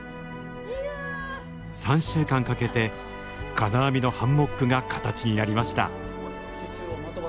３週間かけて金網のハンモックが形になりました。